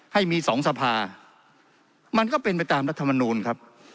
ให้มีสองสภามันก็เป็นไปตามรัฐมนูลครับ